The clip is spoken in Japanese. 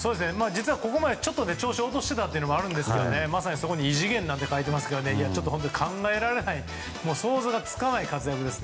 実はここまでちょっと調子を落としてたというのもあるんですがまさにそこに異次元なんて書いてありますけどちょっと考えられない想像がつかない活躍です。